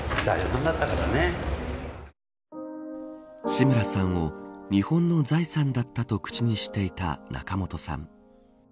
志村さんを日本の財産だったと口にしていた仲本さん。